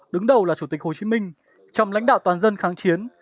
đứng đầu là chủ tịch hồ chí minh trong lãnh đạo toàn dân kháng chiến